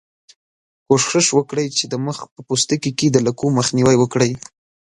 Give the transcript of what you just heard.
کوښښ وکړئ چې د مخ په پوستکي کې د لکو مخنیوی وکړئ.